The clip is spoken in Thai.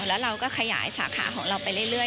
แล้วเราก็ขยายสาขาของเราไปเรื่อย